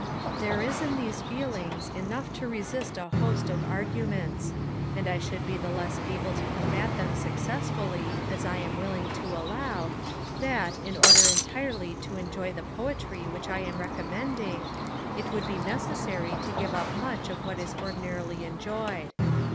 There is in these feelings enough to resist a host of arguments; and I should be the less able to combat them successfully, as I am willing to allow, that, in order entirely to enjoy the Poetry which I am recommending, it would be necessary to give up much of what is ordinarily enjoyed.